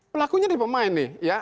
pelakunya di pemain nih